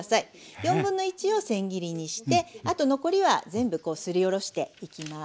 1/4をせん切りにしてあと残りは全部すりおろしていきます。